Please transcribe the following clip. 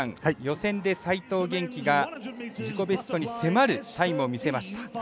予選で齋藤元希が自己ベストに迫るタイムを見せました。